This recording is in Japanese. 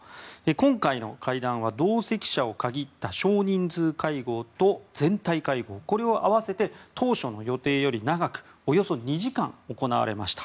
今回の会談は同席者を限った少人数会合と全体会合これを合わせて当初の予定より長くおよそ２時間行われました。